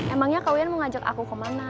emangnya kalian mau ngajak aku kemana